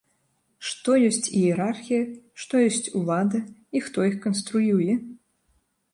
Што ёсць іерархія, што ёсць улада і хто іх канструюе?